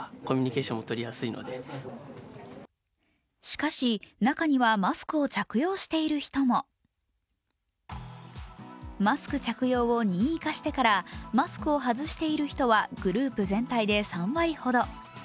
しかし、中にはマスクを着用している人もマスク着用を任意化してからマスクを外している人はグループ全体で３割ほど。